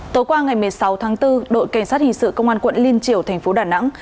tối qua ngày một mươi sáu tháng bốn đội cảnh sát hình sự công an quận liên triểu thành phố đà nẵng